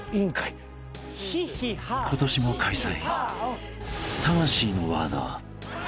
［今年も開催］